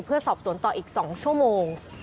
เพื่อสอบสวนต่ออีก๒ชั่วโมง